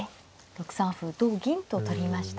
６三歩同銀と取りました。